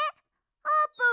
あーぷん